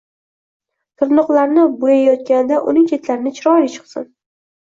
Tirnoqlarni boyayotganda uning chetlarichiroyli chiqsin.